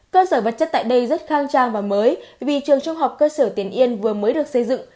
cơ sở vật chất tại đây rất khang trang và mới vì trường trung học cơ sở tiền yên vừa mới được xây dựng